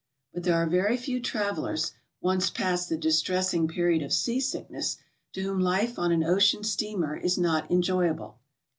But there are very few travelers, once past the distressing period of seasickness, to whom life on an ocean steamer is not enjoyable.